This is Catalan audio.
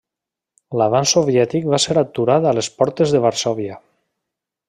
L'avanç soviètic va ser aturat a les portes de Varsòvia.